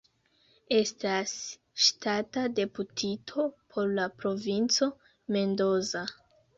Estas ŝtata deputito por la Provinco Mendoza.